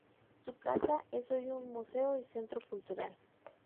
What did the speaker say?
Su casa es hoy un museo y centro cultural.